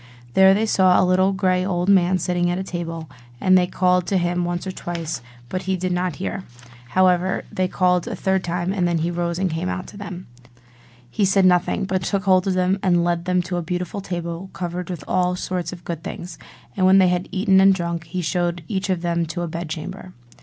There they saw a little grey old man sitting at a table; and they called to him once or twice, but he did not hear: however, they called a third time, and then he rose and came out to them. He said nothing, but took hold of them and led them to a beautiful table covered with all sorts of good things: and when they had eaten and drunk, he showed each of them to a bed chamber.